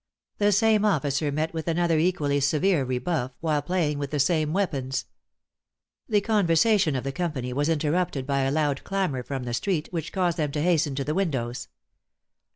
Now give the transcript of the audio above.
The same officer met with another equally severe rebuff, while playing with the same weapons. The conversation of the company was interrupted by a loud clamor from the street, which caused them to hasten to the windows.